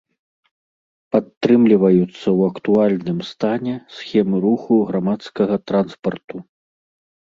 Падтрымліваюцца ў актуальным стане схемы руху грамадскага транспарту.